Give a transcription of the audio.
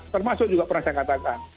termasuk juga pernah saya katakan